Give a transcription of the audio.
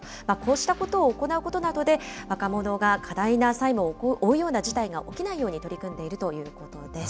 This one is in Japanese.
こうしたことを行うことなどで、若者が多大な債務を負うような事態が起きないように取り組んでいるということです。